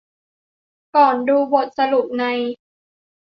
ก่อนดูบทสรุปใน